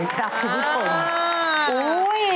ครับคุณผู้ชม